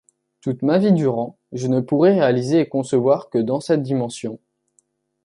Toute ma vie durant, je ne pourrais réaliser et concevoir que dans cette dimension.